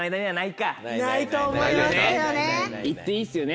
行っていいですよね。